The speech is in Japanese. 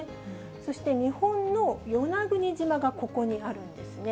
そして、日本の与那国島がここにあるんですね。